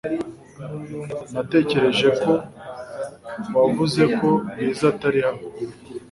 Natekereje ko wavuze ko Bwiza atari hano .